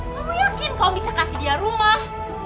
kamu yakin kau bisa kasih dia rumah